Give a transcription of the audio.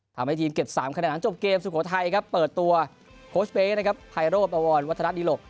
ทำให้ทีมเก็บ๓คะแนนหลังจบเกมสุโขทัยเปิดตัวโค้ชเบ้ไฮโรปอวรรณวัฒนธรรมดิโลก